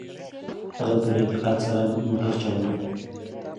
هغه په ډېر دقت سره موټر چلاوه.